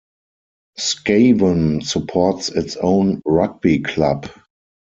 Skewen supports its own rugby club.